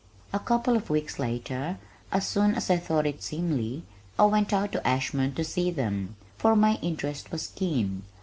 A couple of weeks later as soon as I thought it seemly I went out to Ashmont to see them, for my interest was keen.